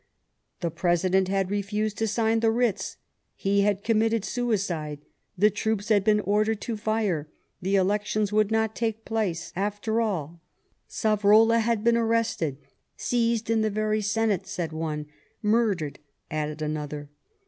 The President had refused to sign the writs; he had committed suicide; the troops had been ordered to fire; the elections would not take place, after all; Savrola had been arrested, seized in the very Senate, said one, murdered added another.